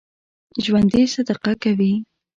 ژوندي صدقه کوي